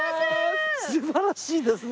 素晴らしいですね。